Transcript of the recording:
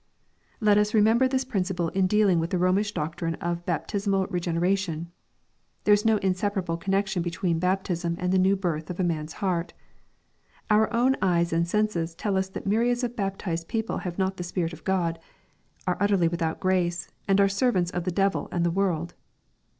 Let us remember this principle in dealing with tht? Bomish doctrine of baptismal regeneration. There is no inseparable connection between baptism and the new birth of man's heart. Our own eyes and senses tell us that myriads of baptized people have not the Spirit of God, are utterly without grace, and are servants of the devil and the world.